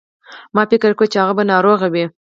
ما فکر کاوه چې هغه به ناروغ وي.